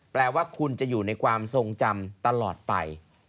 แปลว่าคุณจะอยู่ในความทรงจำตลอดไป